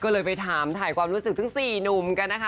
ก็เลยไปถามถ่ายความรู้สึกทั้ง๔หนุ่มกันนะคะ